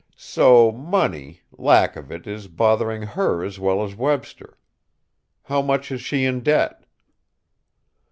"So money, lack of it, is bothering her as well as Webster! How much is she in debt?"